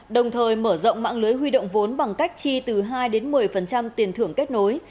đồng thời mở rộng mạng lưới huy động vốn bằng cách chi từ hai đến một mươi tiền thưởng kết nối